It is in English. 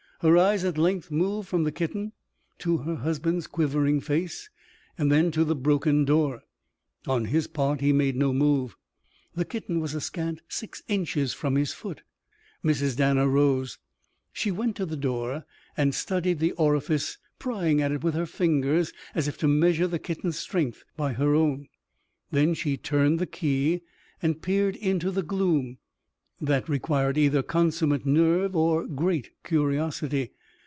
Her eyes at length moved from the kitten to her husband's quivering face and then to the broken door. On his part, he made no move. The kitten was a scant six inches from his foot. Mrs. Danner rose. She went to the door and studied the orifice, prying at it with her fingers as if to measure the kitten's strength by her own. Then she turned the key and peered into the gloom. That required either consummate nerve or great curiosity.